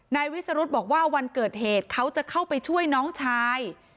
นายวิสรุธบอกว่าวันเกิดเหตุเขาจะเข้าไปช่วยน้องชาย